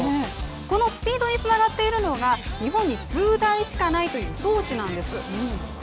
このスピードにつながっているのが日本に数台しかないという装置なんです。